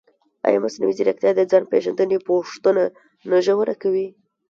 ایا مصنوعي ځیرکتیا د ځان پېژندنې پوښتنه نه ژوره کوي؟